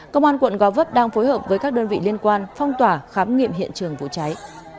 công an quận gò vấp đang phối hợp với các đơn vị liên quan phong tỏa khám nghiệm hiện trường vụ cháy